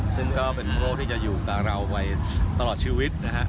ซึ่งก็เป็นโรคที่จะอยู่กับเราไปตลอดชีวิตนะฮะ